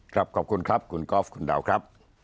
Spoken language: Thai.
ขอบคุณครับคุณกอล์ฟคุณดาวครับ